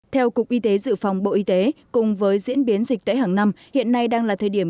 theo cục y tế dự phòng bộ y tế cùng với diễn biến dịch tễ hàng năm hiện nay đang là thời điểm